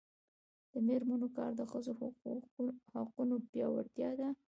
د میرمنو کار د ښځو حقونو پیاوړتیا ده.